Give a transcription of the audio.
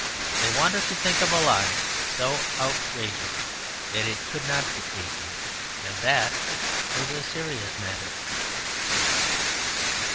They wanted to think of a lie so outrageous that it would not deceive him, and that was a serious matter.